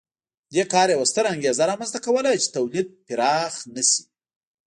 دې کار یوه ستره انګېزه رامنځته کوله چې تولید پراخ نه شي